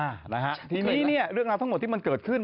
อ่ะทีนี้เรื่องราวทั้งหมดที่มันเกิดขึ้น